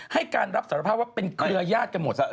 ให้การรับสารภาพว่าเป็นเครือยาศกันหมด